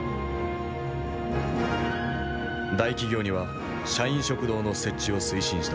大企業には社員食堂の設置を推進した。